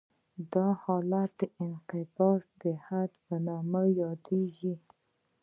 دا حالت د انقباض د حد په نوم یادیږي